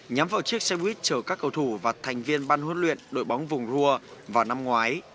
nhắm vào chiếc xe buýt chở các cầu thủ và thành viên ban huấn luyện đội bóng vùng rua vào năm ngoái